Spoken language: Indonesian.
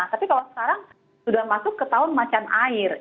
tapi kalau sekarang sudah masuk ke tahun macan air